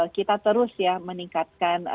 kita terus ya meningkatkan